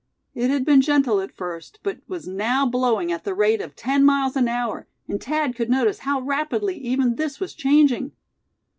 It had been gentle at first, but was now blowing at the rate of ten miles an hour, and Thad could notice how rapidly even this was changing.